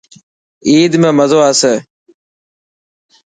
عيد ۾ مزو آسي.